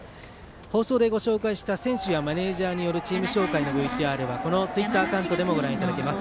放送でご紹介した選手やマネージャーによる紹介のＶＴＲではこのツイッターアカウントからもご覧いただけます。